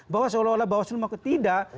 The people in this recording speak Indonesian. bahwa seolah olah bawaslu mau ketidak